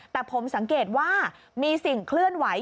แต่ผมสังเกตว่ามีสิ่งเคลื่อนไหว